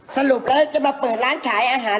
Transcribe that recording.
สรุปแล้วจะมาเปิดร้านขายอาหาร